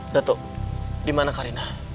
dato dimana karina